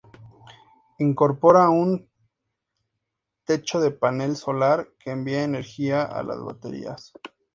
Incorpora un techo de panel solar que envía energía a las baterías.